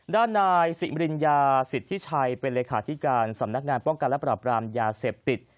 ด้านนายสิมริญญาสิทธิชัยเป็นเลขาธิการสำนักงานป้องกันและปรับรามยาเสพติด